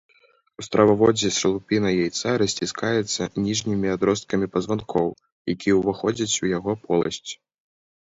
У страваводзе шалупіна яйца расціскаецца ніжнімі адросткамі пазванкоў, якія ўваходзяць у яго поласць.